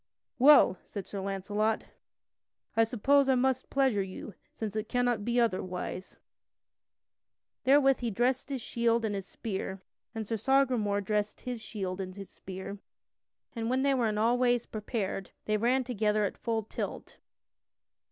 "Well," said Sir Launcelot, "I suppose I must pleasure you, since it cannot be otherwise." [Sidenote: Sir Launcelot overthrows Sir Sagramore] Therewith he dressed his shield and his spear and Sir Sagramore dressed his shield and his spear, and when they were in all ways prepared they ran together at full tilt.